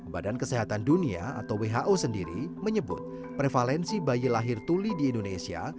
badan kesehatan dunia atau who sendiri menyebut prevalensi bayi lahir tuli di indonesia